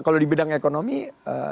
kalau di bidang ekonomi